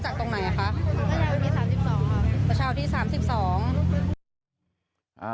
ไล่มาจากตรงไหนคะ